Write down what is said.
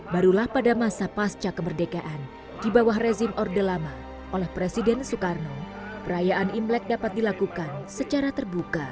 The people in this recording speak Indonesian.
barulah pada masa pasca kemerdekaan di bawah rezim orde lama oleh presiden soekarno perayaan imlek dapat dilakukan secara terbuka